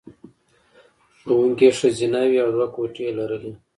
ښوونکې یې ښځینه وې او دوه کوټې یې لرلې